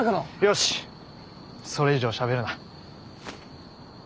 それ以上しゃべるな。